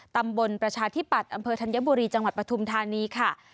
ประชาธิปัตย์อำเภอธัญบุรีจังหวัดปฐุมธานีค่ะ